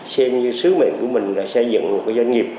xem như sứ mệnh của mình là xây dựng một doanh nghiệp